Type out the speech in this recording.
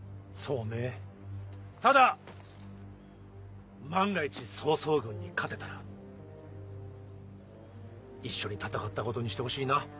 そうねただ万が一曹操軍に勝てたら一緒に戦ったことにしてほしいな。